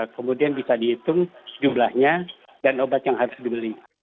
kemudian bisa dihitung jumlahnya dan obat yang harus dibeli